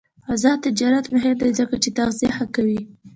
آزاد تجارت مهم دی ځکه چې تغذیه ښه کوي.